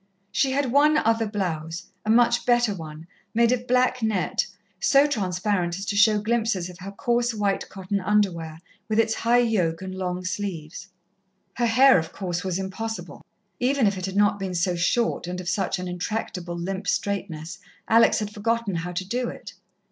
She had one other blouse, a much better one, made of black net, so transparent as to show glimpses of her coarse, white cotton underwear, with its high yoke and long sleeves. Her hair, of course, was impossible. Even if it had not been so short and of such an intractable, limp straightness. Alex had forgotten how to do it.